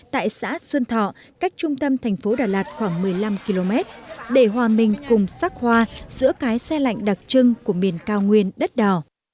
tại xã xuân thọ cách trung tâm thành phố đà lạt khoảng một mươi năm km để hòa mình cùng sắc hoa giữa cái xe lạnh đặc trưng của miền cao nguyên đất đỏ